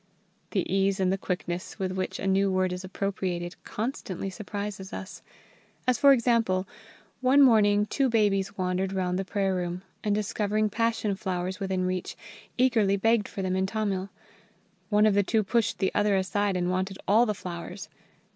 The ease and the quickness with which a new word is appropriated constantly surprises us. As for example: one morning two babies wandered round the Prayer room, and, discovering passion flowers within reach, eagerly begged for them in Tamil. One of the two pushed the other aside and wanted all the flowers.